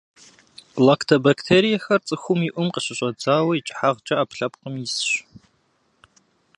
Лактобактериехэр – цӏыхум и ӏум къыщыщӏэдзауэ икӏыхьагъкӏэ ӏэпкълъэпкъым исщ.